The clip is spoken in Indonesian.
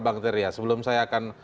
bang teria sebelum saya akan